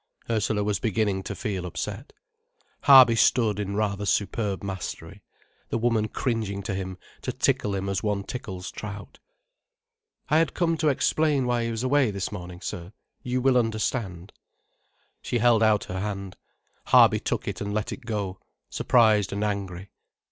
Ursula was beginning to feel upset. Harby stood in rather superb mastery, the woman cringing to him to tickle him as one tickles trout. "I had come to explain why he was away this morning, sir. You will understand." She held out her hand. Harby took it and let it go, surprised and angry.